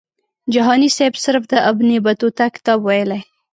جهاني سیب صرف د ابن بطوطه کتاب ویلی.